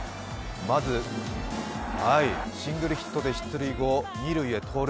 まず、はい、シングルヒットで出塁後、二塁へ盗塁。